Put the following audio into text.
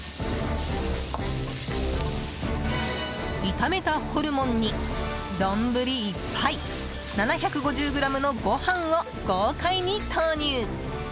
炒めたホルモンに、丼いっぱい７５０ｇのご飯を豪快に投入！